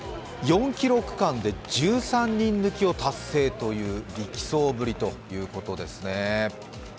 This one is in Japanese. ４ｋｍ区間で１３人抜きを達成という力走ぶりということですね。